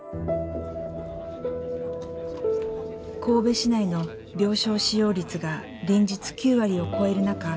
神戸市内の病床使用率が連日９割を超える中